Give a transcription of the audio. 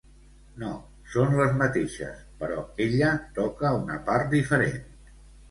No, són les mateixes, però ella toca una part diferent.